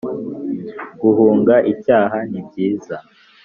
Guhunga icyaha nibyiza